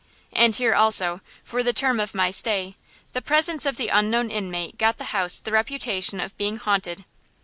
And here, also, for the term of my stay, the presence of the unknown inmate got the house the reputation of being haunted.